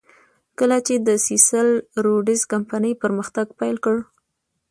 کله چې د سیسل روډز کمپنۍ پرمختګ پیل کړ.